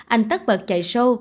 anh tắt bật chạy show